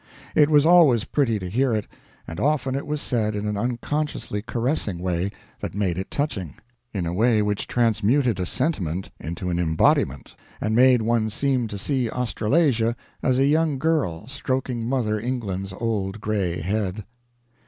It was always pretty to hear it, and often it was said in an unconsciously caressing way that made it touching; in a way which transmuted a sentiment into an embodiment, and made one seem to see Australasia as a young girl stroking mother England's old gray head.